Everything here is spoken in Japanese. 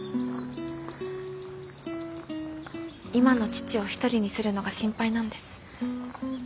今の父を一人にするのが心配なんです。